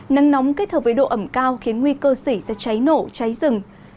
nắng nóng kết hợp với độ ẩm cao khiến nguy cơ xỉ sẽ cháy nổ cháy rừng